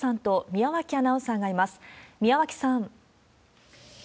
宮脇さん。